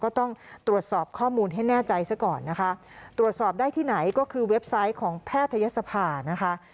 ก็ต้องตรวจสอบข้อมูลให้แน่ใจซะก่อนนะคะตรวจสอบได้ที่ไหนก็คือเว็บไซต์ของแพทยศภานะคะ